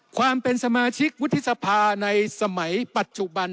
ความเป็นสมาชิกวุฒิสภาในสมัยปัจจุบัน